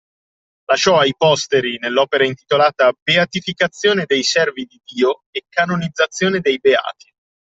Lasciò ai posteri nell'opera intitolata Beatificazione dei Servi di Dio e canonizzazione dei Beati